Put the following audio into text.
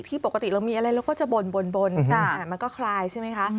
ปกติเรามีอะไรเราก็จะบ่นแต่มันก็คลายใช่ไหมคะ